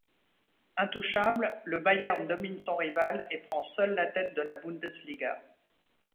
Intouchable, le Bayern domine son rival et prend seul la tête de la Bundesliga.